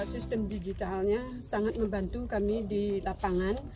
sistem digitalnya sangat membantu kami di lapangan